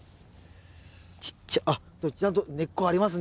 ちっちゃあちゃんと根っこありますね